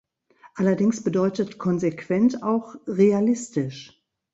Allerdings bedeutet konsequent auch realistisch.